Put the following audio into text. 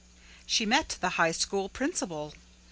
She met the high school principal.